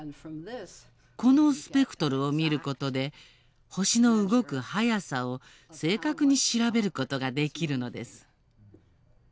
このスペクトルを見ることで星の動く速さを正確に調べることができるのです。